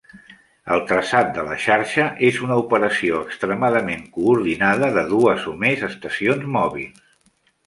El traçat de la xarxa és una operació extremadament coordinada de dues o més estacions mòbils.